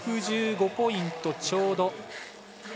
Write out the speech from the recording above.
５６５ポイントちょうど。